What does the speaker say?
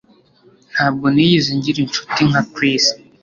Ntabwo nigeze ngira inshuti nka Chris